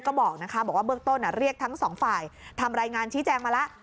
ก็บอกนะคะบอกว่าเบื้องต้นเรียกทั้งสองฝ่ายทำรายงานชี้แจงมาแล้ว